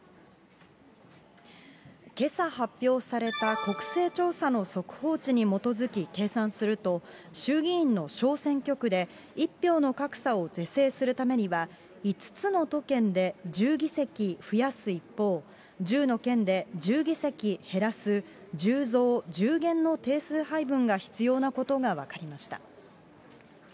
けさ発表された国勢調査の速報値に基づき計算すると、衆議院の小選挙区で、１票の格差を醸成するためには、５つの都県で１０議席増やす一方、１０の県で１０議席減らす、１０増１０減の定数配分が必要なことが分かりました。